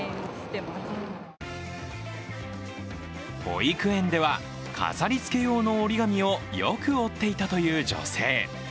保育園では、飾りつけ用の折り紙をよく折っていたという女性。